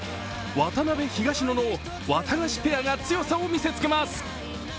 渡辺、東野のワタガシペアが強さを見せつけます。